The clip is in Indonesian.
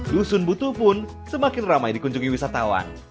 dusun butuh pun semakin ramai dikunjungi wisatawan